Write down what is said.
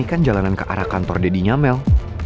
ini kan jalanan ke arah kantor deddynya mel